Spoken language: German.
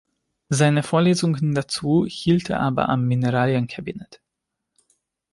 Seine Vorlesungen dazu hielt er aber am Mineralien-Cabinet.